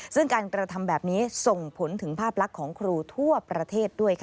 ซึ่งการกระทำแบบนี้ส่งผลถึงภาพลักษณ์ของครูทั่วประเทศด้วยค่ะ